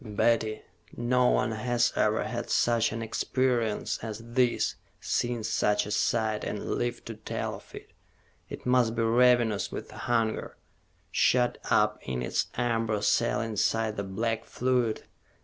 "Betty, no one has ever had such an experience as this, seen such a sight, and lived to tell of it. It must be ravenous with hunger, shut up in its amber cell inside the black fluid.